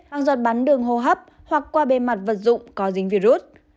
hàng giọt bắn đường hô hấp hoặc qua bề mặt vật dụng có dính virus